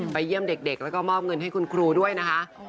เยี่ยมเด็กแล้วก็มอบเงินให้คุณครูด้วยนะคะ